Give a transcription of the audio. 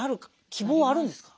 希望はあるんですか？